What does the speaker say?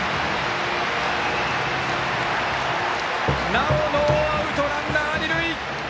なおノーアウト、ランナー、二塁。